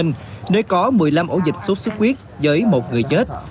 nơi có một mươi năm ổ dịch sốt xuất huyết với một người chết